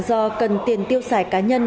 do cần tiền tiêu xài cá nhân